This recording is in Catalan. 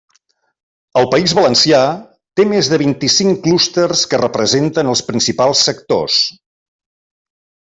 El País Valencià té més de vint-i-cinc clústers que representen els principals sectors.